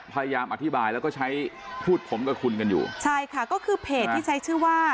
พยายามอธิบายแล้วก็ใช้พูดผมกับคุณกันอยู่ใช่ค่ะก็คือเพจที่ใช้ชื่อว่า